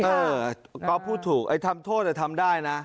เออก็พูดถูกทำโทษจะทำได้นะ